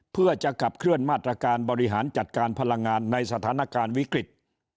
เพื่อจะขับเคลื่อนมาตรการบริหารจัดการพลังงานในสถานการณ์วิกฤต